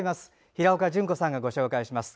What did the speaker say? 平岡淳子さんがご紹介します。